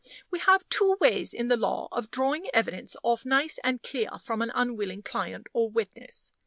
We have two ways in the law of drawing evidence off nice and clear from an unwilling client or witness.